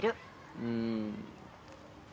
うん。